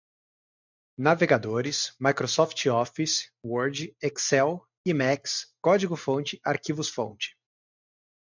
navegadores, microsoft office, word, excel, emacs, código-fonte, arquivos-fonte